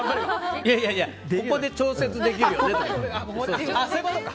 いやいやここで調節できるよねって。